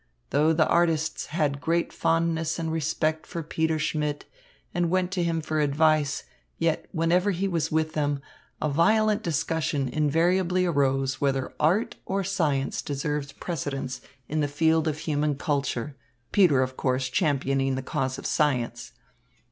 Though the artists had great fondness and respect for Peter Schmidt and went to him for advice, yet, whenever he was with them, a violent discussion invariably arose whether art or science deserves precedence in the field of human culture, Peter, of course, championing the cause of science.